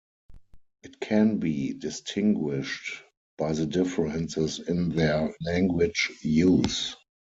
It can be distinguished by the differences in their language use.